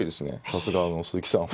さすが鈴木さん